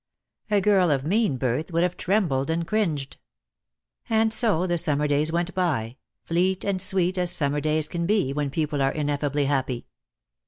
A girl of mean birth would have trembled and cringed. And so the summer days went by, fleet and sweet as summer days can be when people are ineffably happy.